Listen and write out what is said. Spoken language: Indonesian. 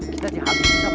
kita dihabisi sama bangkobar